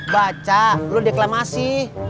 baca lo deklamasi